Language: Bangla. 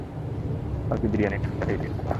কালকে বিরিয়ানি ঠান্ডা হয়ে গেছিল।